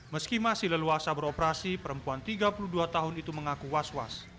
meski masih leluasa beroperasi perempuan tiga puluh dua tahun itu mengaku was was